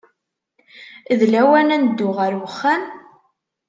D lawan ad neddu ɣer wexxam?